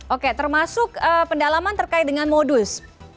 oke termasuk pendalaman terkait dengan modus